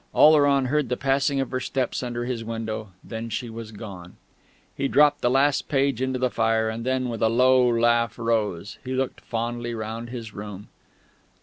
Oleron heard the passing of her steps under his window; then she was gone. He dropped the last page into the fire, and then, with a low laugh rose. He looked fondly round his room.